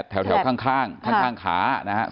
แถวข้างขานะฮะ